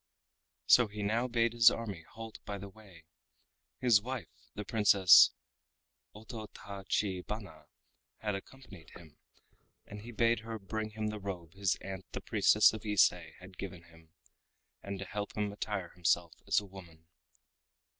So he now bade his army halt by the way. His wife, the Princess Ototachibana, had accompanied him, and he bade her bring him the robe his aunt the priestess of Ise had given him, and to help him attire himself as a woman.